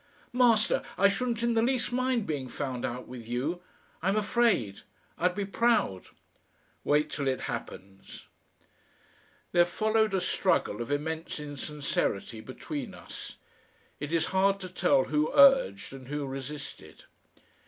"Master, I shouldn't in the least mind being found out with you. I'm afraid I'd be proud." "Wait till it happens." There followed a struggle of immense insincerity between us. It is hard to tell who urged and who resisted.